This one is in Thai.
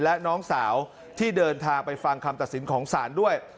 และน้องสาวที่เดินทางไปฟังคำตัดสินของศาลด้วย